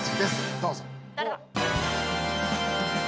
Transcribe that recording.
どうぞ！